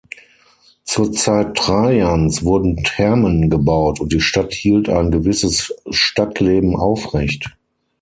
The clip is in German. Zur Zeit Trajans wurden Thermen gebaut und die Stadt hielt ein gewisses Stadtleben aufrecht.